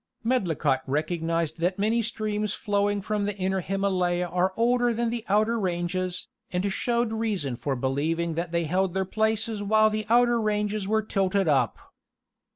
Medlicott recognized that many streams flowing from the inner Himalaya are older than the outer ranges, and showed reason for believing that they held their places while the outer ranges were tilted up.